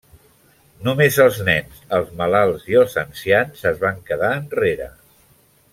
Només els nens, els malalts i els ancians es van quedar enrere.